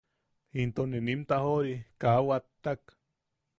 Into ne nim tajo’ori kaa wattak.